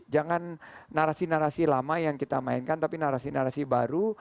jangan narasi narasi lama yang kita mainkan tapi narasi narasi baru